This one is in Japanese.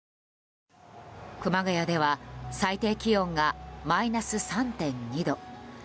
熊谷では最低気温がマイナス３．２度。